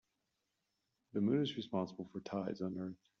The moon is responsible for tides on earth.